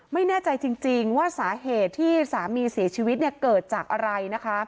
ไม่แน่ใจจริงว่าสาเหตุที่สามีเสียชีวิตเกิดจากอะไรนะคะ